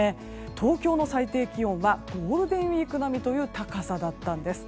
東京の最低気温はゴールデンウィーク並みという高さだったんです。